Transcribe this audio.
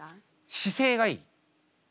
姿勢がいい。